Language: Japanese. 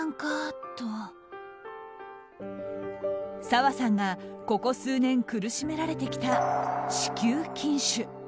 砂羽さんがここ数年苦しめられてきた子宮筋腫。